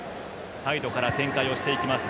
サイドから展開していきます。